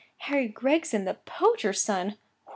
Harry Gregson the poacher's son!